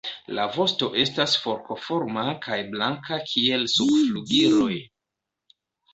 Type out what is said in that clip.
La vosto estas forkoforma kaj blanka kiel subflugiloj.